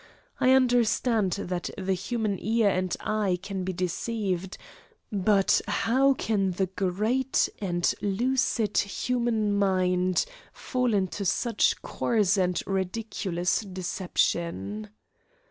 I understand that the human ear and eye can be deceived but how can the great and lucid human mind fall into such coarse and ridiculous deception?